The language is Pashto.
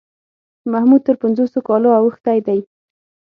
محمود تر پنځوسو کالو اوښتی دی.